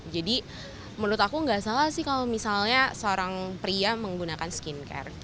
jadi menurut aku gak salah sih kalau misalnya seorang pria menggunakan skincare